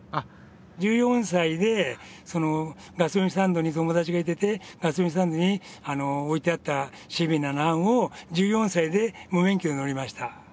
１４歳でガソリンスタンドに友達がいててガソリンスタンドに置いてあったＣＢナナハンを１４歳で無免許で乗りました。